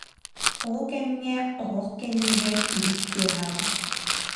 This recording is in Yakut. Ол кэмҥэ оһох кэннигэр иһит тыаһаабыт